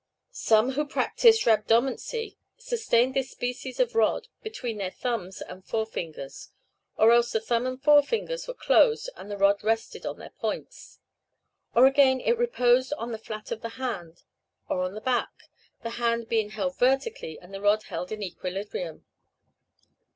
Some who practised rhabdomancy sustained this species of rod between their thumbs and forefingers; or else the thumb and forefingers were closed, and the rod rested on their points; or again it reposed on the flat of the hand, or on the back, the hand being held vertically and the rod held in equilibrium.